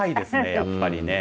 やっぱりね。